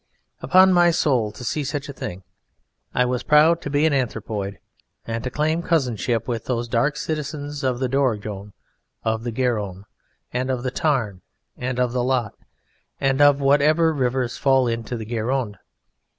Upon my soul, to see such a thing I was proud to be an Anthropoid, and to claim cousinship with those dark citizens of the Dordogne and of Garonne and of the Tarn and of the Lot, and of whatever rivers fall into the Gironde.